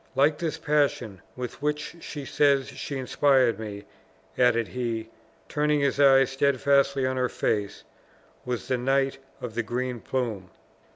Like this passion, with which she says she inspired me," added he, turning his eyes steadfastly on her face, "was the Knight of the Green Plume!